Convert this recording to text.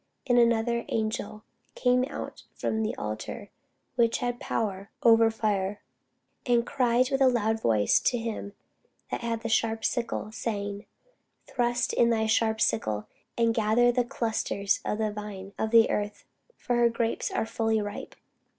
And another angel came out from the altar, which had power over fire; and cried with a loud cry to him that had the sharp sickle, saying, Thrust in thy sharp sickle, and gather the clusters of the vine of the earth; for her grapes are fully ripe.